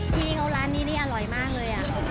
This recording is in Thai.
พี่เขาร้านนี้นี่อร่อยมากเลย